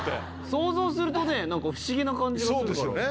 想像するとね何か不思議な感じがするから。